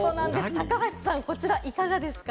高橋さん、いかがですか？